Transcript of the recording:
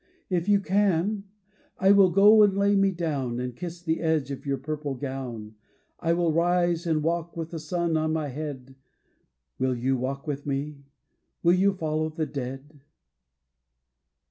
If you can, I will go and lay me down And kiss the edge of your purple gown. I will rise and walk with the sun on my head. Will you walk with me, will you follow the dead?